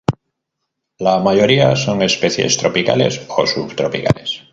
La mayoría son especies tropicales o subtropicales.